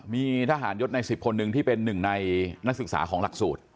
มีทหารยศใน๑๐คนหนึ่งที่เป็นหนึ่งในนักศึกษาของหลักสูตร